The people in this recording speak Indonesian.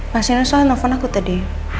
mas nino soalnya nelfon aku tadi